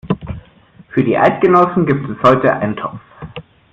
Für die Eidgenossen gibt es heute Eintopf.